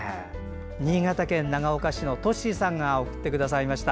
新潟県長岡市のとっしーさんが送ってくれました。